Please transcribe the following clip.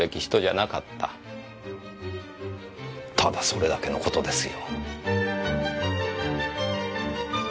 ただそれだけの事ですよ。